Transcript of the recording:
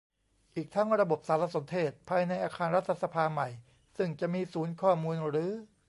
อีกทั้งระบบสารสนเทศภายในอาคารรัฐสภาใหม่ซึ่งจะมีศูนย์ข้อมูลหรือ